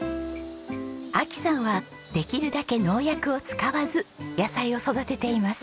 亜紀さんはできるだけ農薬を使わず野菜を育てています。